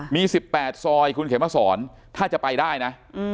มี๑๘ซอยคุณเขมสอนถ้าจะไปได้นะ